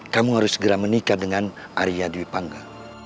kamu harus segera menikah dengan arya dwi pangga